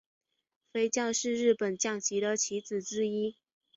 飞将是日本将棋的棋子之一。